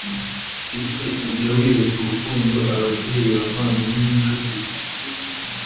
Ese ujya wereka urukundo ababyeyi abavandimwe n inshuti